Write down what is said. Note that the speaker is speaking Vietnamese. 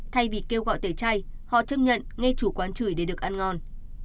thay vì kêu gọi tẩy chay họ chấp nhận ngay chủ quán chửi để được ăn ngon